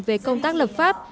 về công tác lập pháp